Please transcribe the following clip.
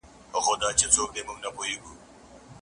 د مقطعاتو حروفو اړوند بحث ډير خوږ دی.